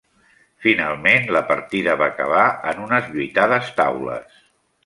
Finalment la partida va acabar en unes lluitades taules.